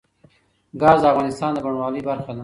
ګاز د افغانستان د بڼوالۍ برخه ده.